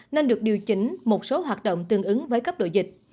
nên được điều chỉnh một số hoạt động tương ứng với cấp độ dịch